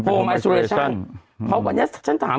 เพราะวันนี้ฉันถาม